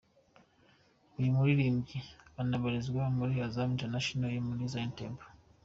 Uyu muririmbyi anabarizwa muri Azaph International yo muri Zion Temple.